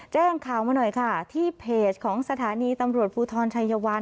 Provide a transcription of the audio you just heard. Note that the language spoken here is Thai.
แจ้งข่าวมาหน่อยค่ะที่เพจของสถานีตำรวจภูทรชัยวาน